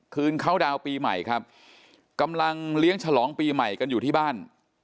เข้าดาวน์ปีใหม่ครับกำลังเลี้ยงฉลองปีใหม่กันอยู่ที่บ้าน